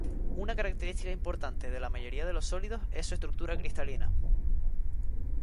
Una característica importante de la mayoría de los sólidos es su estructura cristalina.